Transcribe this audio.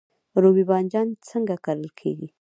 رومی بانجان څنګه کرل کیږي؟